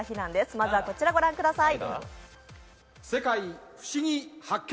まずはこちらご覧ください。